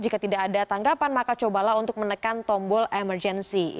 jika tidak ada tanggapan maka cobalah untuk menekan tombol emergensi